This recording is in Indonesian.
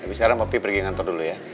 tapi sekarang papi pergi kantor dulu ya